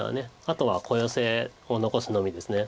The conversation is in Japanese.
あとは小ヨセを残すのみです。